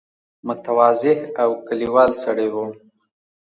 متواضع او کلیوال سړی وو.